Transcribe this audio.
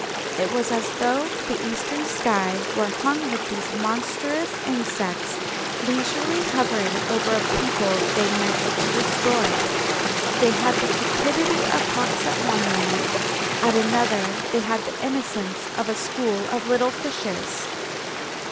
It was as though the eastern sky were hung with these monstrous insects, leisurely hovering over a people they meant to destroy. They had the cupidity of hawks at one moment. At another they had the innocence of a school of little fishes.